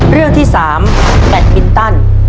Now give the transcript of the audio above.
เรื่องที่๓แบตมินตัน